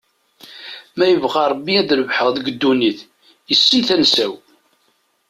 Ma yebɣa Rebbi ad rebḥeɣ deg ddunit, yessen tansa-w.